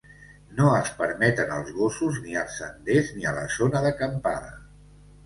No es permeten els gossos ni als senders ni a la zona d'acampada.